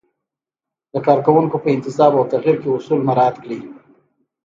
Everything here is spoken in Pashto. د کارکوونکو په انتصاب او تغیر کې اصول مراعت کړئ.